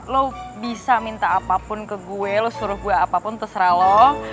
lo bisa minta apapun ke gue lo suruh gue apapun terserah lo